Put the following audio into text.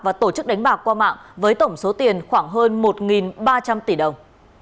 và tổ chức đánh bạc qua mạng với tổng số tiền khoảng hơn một ba trăm linh tỷ đồng